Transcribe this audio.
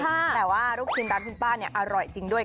แต่ว่าลูกชิ้นร้านคุณป้าเนี่ยอร่อยจริงด้วย